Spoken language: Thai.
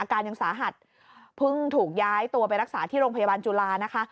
การยังสาหัสเพิ่งถูกย้ายตัวไปรักษาที่โรงพยาบาลจุฬานะคะ